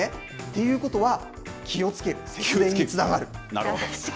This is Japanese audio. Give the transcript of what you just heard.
ということは、気をつける、節電につながる。